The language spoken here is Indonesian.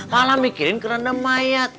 malah mikirin keranda mayat